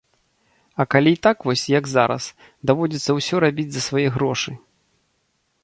А калі і так вось, як зараз, даводзіцца ўсё рабіць за свае грошы.